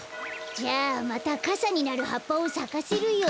じゃあまたかさになるはっぱをさかせるよ。